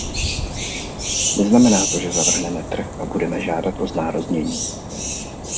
Neznamená to, že zavrhneme trh a budeme žádat o znárodnění.